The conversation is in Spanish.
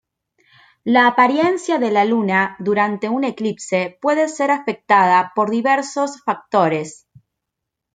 La apariencia de la Luna durante un eclipse puede ser afectada por diversos factores.